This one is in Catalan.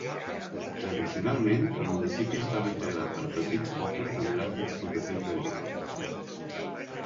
Tradicionalment, el municipi estava integrat per petits pobles amb grans explotacions agrícoles.